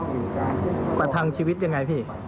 ประการประทังชีวิตยังไงพี่